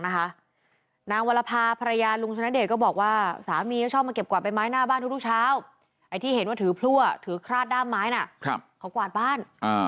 นางวัลภาภรรยานลุงชนะเดชน์ก็บอกว่าสามีเขาชอบเก็บว่าไอ้ที่เห็นแบบถือพล่ั่วถือกล้าด้ามไม้คงกวาดบ้าน